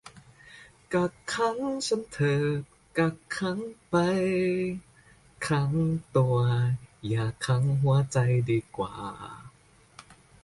กักขังฉันเถิดกักขังไป ขังตัวอย่าขังหัวใจดีกว่า